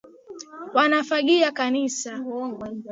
Wanafagia kanisa.